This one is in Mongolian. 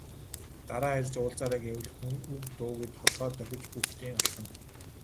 Дараа ирж уулзаарай гэвэл үг дуугүй толгой дохиж бөгтийн алхана.